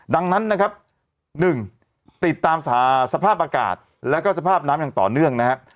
ดังนั้นนะครับ๑ติดตามสภาพอากาศแล้วก็สภาพน้ำอย่างต่อเนื่องนะครับ